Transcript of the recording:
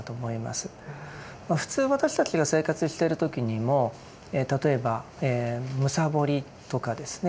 普通私たちが生活している時にも例えば貪りとかですね